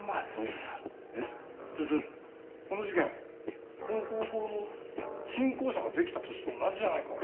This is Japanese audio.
ちょちょこの事件この高校の新校舎が出来た年と同じじゃないか。